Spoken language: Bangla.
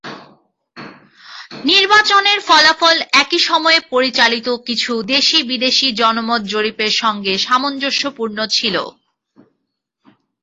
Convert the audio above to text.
নির্বাচনের ফলাফল একই সময়ে পরিচালিত কিছু দেশি-বিদেশি জনমত জরিপের সঙ্গে সামঞ্জস্যপূর্ণ ছিল।